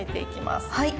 はい。